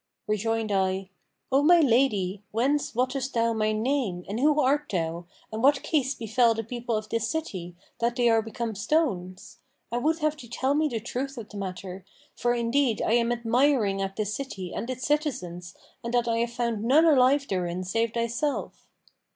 Rejoined I, 'O my lady, whence wottest thou my name and who art thou and what case befel the people of this city, that they are become stones? I would have thee tell me the truth of the matter, for indeed I am admiring at this city and its citizens and that I have found none alive therein save thyself.